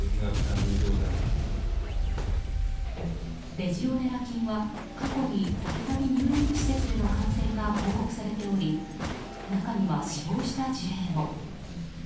レジオネラ菌は過去に度々入浴施設での感染が報告されており中には、死亡した事例も。